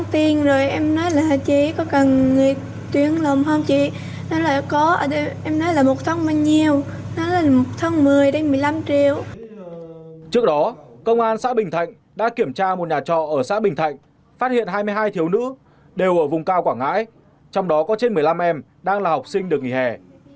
trước đó công an xã bình thạnh đã kiểm tra một nhà trọ ở xã bình thạnh phát hiện hai mươi hai thiếu nữ đều ở vùng cao quảng ngãi trong đó có trên một mươi năm em đang là học sinh được nghỉ hè